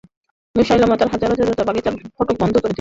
মুসায়লামা ও তার হাজার হাজার যোদ্ধা বাগিচার ফটক বন্ধ করে দিল।